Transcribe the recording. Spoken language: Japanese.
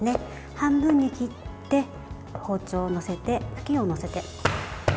半分に切って、包丁を載せてふきんを載せて。